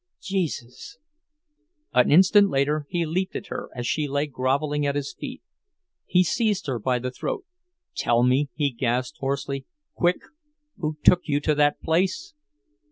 Jesus!" An instant later he leaped at her, as she lay groveling at his feet. He seized her by the throat. "Tell me!" he gasped, hoarsely. "Quick! Who took you to that place?"